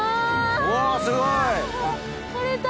うわっすごい！